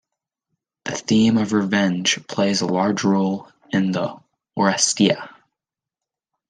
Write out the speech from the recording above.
The theme of revenge plays a large role in the "Oresteia".